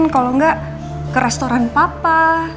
kalau enggak ke restoran papa